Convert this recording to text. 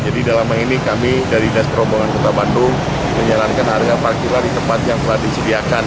jadi dalam hari ini kami dari dasar rombongan kota bandung menyelenggarakan harga parkir lagi tempat yang telah disediakan